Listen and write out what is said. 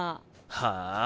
はあ？